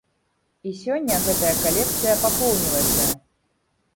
І сёння гэтая калекцыя папоўнілася.